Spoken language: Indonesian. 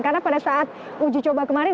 karena pada saat uji coba kemarin